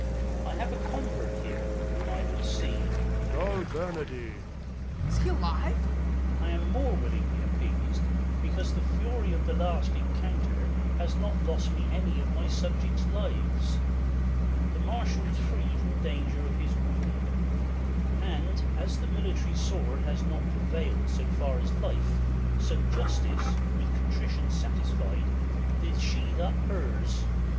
I have a convert here, whom I would see. Prov. Call Bernardine ! Ben. Is he alive 1 Duke. I am more willingly appeas'd, because The fury of the last encounter has THE LAW AGAINST LOVERS. 209 Not lost me any of my subjects' lives. The marshal's free from danger of his wound ; And as the military sword has not Prevail'd so far as life, so Justice, with Contrition satisfied, did sheathe up hers.